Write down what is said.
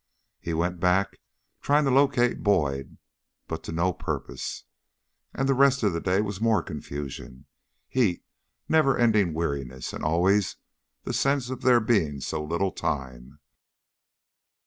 He went back, trying to locate Boyd, but to no purpose. And the rest of the day was more confusion, heat, never ending weariness, and always the sense of there being so little time.